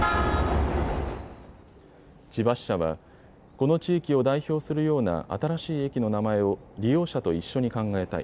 千葉支社はこの地域を代表するような新しい駅の名前を利用者と一緒に考えたい。